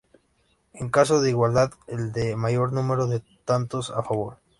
En caso de igualdad el de mayor número de tantos a favor.